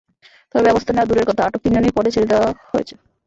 তবে ব্যবস্থা নেওয়া দূরের কথা, আটক তিনজনকেই পরে ছেড়ে দেওয়া হয়েছে।